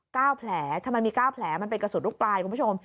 เก้าแผลทำไมมีเก้าแผลมันเป็นกระสุนลูกปลายคุณผู้ชม